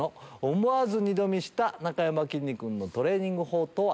思わず二度見したなかやまきんに君のトレーニング法とは？